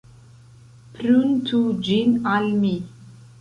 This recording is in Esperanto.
Pruntu ĝin al mi!